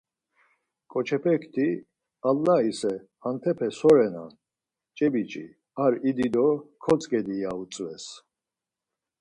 Koçepekti ‘allaise hantepe so renan, ç̌e biç̌i ar idi do kotzǩedi’ ya utzves.